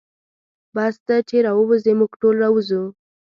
بس ته چې راووځې موږ ټول راوځو.